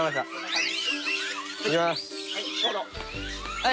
はい。